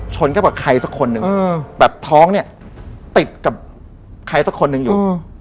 ชนเข้ากับใครสักคนหนึ่งอืมแบบท้องเนี้ยติดกับใครสักคนหนึ่งอยู่อืม